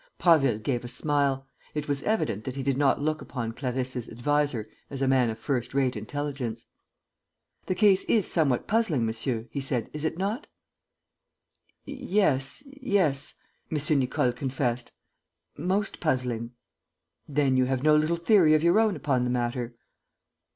Prasville gave a smile. It was evident that he did not look upon Clarisse's adviser as a man of first rate intelligence: "The case is somewhat puzzling, monsieur," he said, "is it not?" "Yes ... yes," M. Nicole confessed, "most puzzling." "Then you have no little theory of your own upon the matter?"